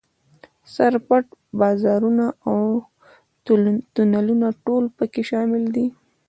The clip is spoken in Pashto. سر پټ بازارونه او تونلونه ټول په کې شامل دي.